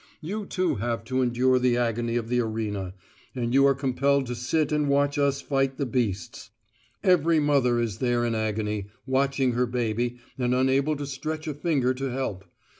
You, too, have to endure the agony of the arena; you are compelled to sit and watch us fight the beasts. Every mother is there in agony, watching her baby, and unable to stretch a finger to help.